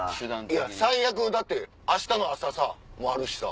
いや最悪だって明日の朝もあるしさ。